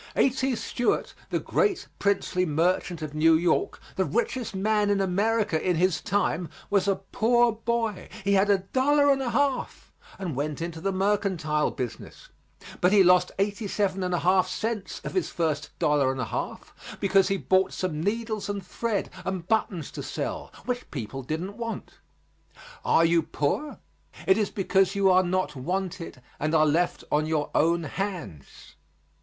A.T. Stewart, the great princely merchant of New York, the richest man in America in his time, was a poor boy; he had a dollar and a half and went into the mercantile business. But he lost eighty seven and a half cents of his first dollar and a half because he bought some needles and thread and buttons to sell, which people didn't want. Are you poor? It is because you are not wanted and are left on your own hands.